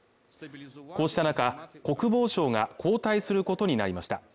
こうした中国防相が交代することになりました